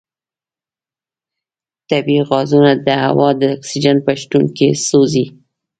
طبیعي غازونه د هوا د اکسیجن په شتون کې سوځي.